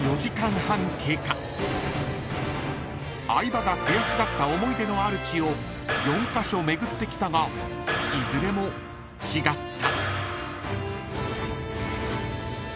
［相葉が悔しがった思い出のある地を４カ所巡ってきたがいずれも違った］